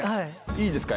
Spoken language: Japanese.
いいですか？